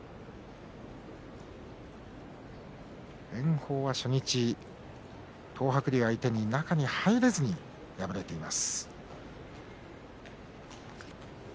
炎鵬は初日、東白龍に対し中に入れずに敗れています。